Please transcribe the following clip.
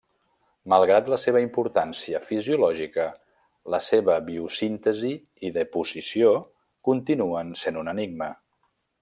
Malgrat la seva importància fisiològica, la seva biosíntesi i deposició continuen sent un enigma.